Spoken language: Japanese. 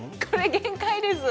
限界です。